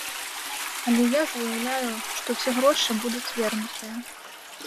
Але я заяўляю, што ўсе грошы будуць вернутыя.